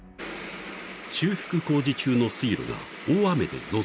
［修復工事中の水路が大雨で増水］